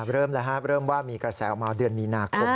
เริ่มแล้วครับเริ่มว่ามีกระแสออกมาเดือนมีนาคม